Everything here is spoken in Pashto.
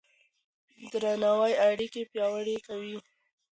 درناوی اړيکې پياوړې کوي.